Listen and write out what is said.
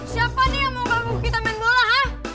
siapa nih yang mau bantu kita main bola hah